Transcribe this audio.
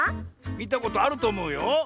みたことあるとおもうよ。